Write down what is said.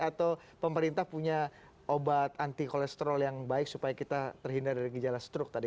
atau pemerintah punya obat anti kolesterol yang baik supaya kita terhindar dari gejala struk tadi